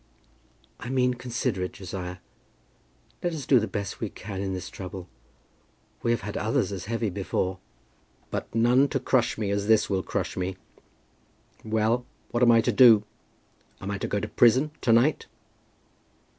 "I mean considerate. Josiah, let us do the best we can in this trouble. We have had others as heavy before." "But none to crush me as this will crush me. Well; what am I to do? Am I to go to prison to night?"